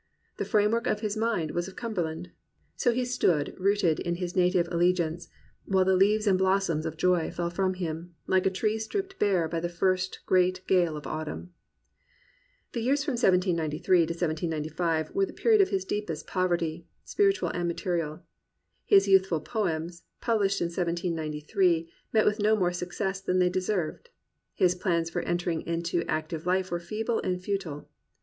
The framework of his mind was of Cumberland. So he stood rooted in his native allegiance, while the leaves and blossoms of joy fell from him, like a tree stripped bare by the first great gale of autumn. The years from 1793 to 1795 were the period of Lis deepest poverty, spiritual and material. His youthful poems, published in 1793, met with no more success than they deserved. His plans for entering into active life were feeble and futile.